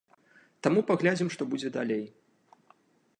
Таму паглядзім, што будзе далей.